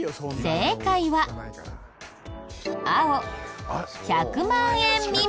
正解は青１００万円未満。